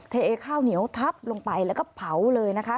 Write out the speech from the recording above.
เทข้าวเหนียวทับลงไปแล้วก็เผาเลยนะคะ